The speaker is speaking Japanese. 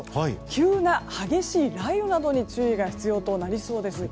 急な激しい雷雨などに注意が必要となりそうです。